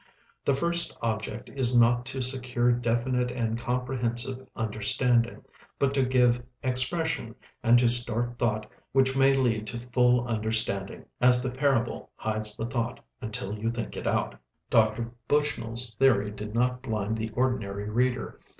The first object is not to secure definite and comprehensive understanding, but to give expression, and to start thought which may lead to full understanding as the parable hides the thought until you think it out. Dr. Bushnell's theory did not blind the ordinary reader.